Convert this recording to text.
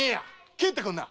帰ってくんな。